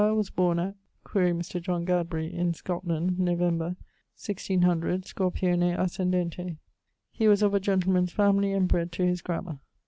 was borne at ... (quaere Mr. John Gadbury[AJ]) in Scotland, November ..., 1600, Scorpione ascendente. He was of a gentleman's family, and bred to his grammar.